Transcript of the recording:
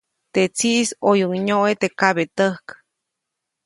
Teʼ tsiʼis ʼoyuʼuŋ nyoʼe teʼ kabetäjk.